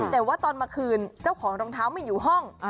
แต่ว่าตอนมาคืนเจ้าของรองเท้าไม่อยู่ห้อง